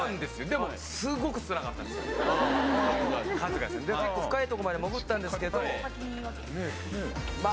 でも数がですで結構深いとこまで潜ったんですけどま